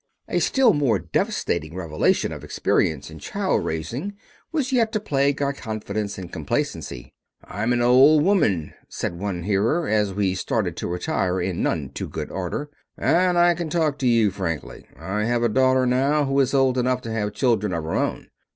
A still more devastating revelation of experience in child raising was yet to plague our confidence and complacency. "I'm an old woman," said one hearer, as we started to retire in none too good order, "and I can talk to you frankly. I have a daughter now who is old enough to have children of her own.